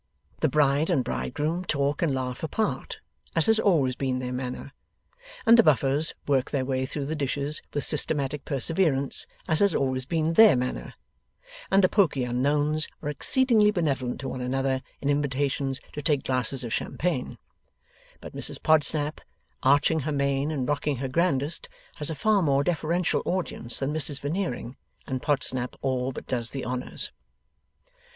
The bride and bridegroom talk and laugh apart, as has always been their manner; and the Buffers work their way through the dishes with systematic perseverance, as has always been THEIR manner; and the pokey unknowns are exceedingly benevolent to one another in invitations to take glasses of champagne; but Mrs Podsnap, arching her mane and rocking her grandest, has a far more deferential audience than Mrs Veneering; and Podsnap all but does the honours.